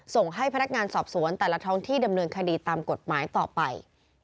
ส่งให้พนักงานสอบสวนแต่ละท้องที่ดำเนินคดีตามกฎหมายต่อไป